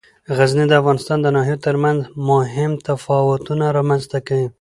غزني د افغانستان د ناحیو ترمنځ مهم تفاوتونه رامنځ ته کوي.